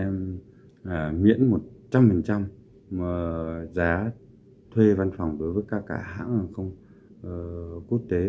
miễn một trăm linh giá thuê văn phòng đối với các hãng hàng không quốc tế